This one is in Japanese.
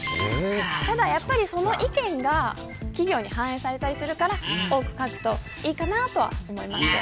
ただ、その意見が企業に反映されたりするから多く書くといいかなとは思います。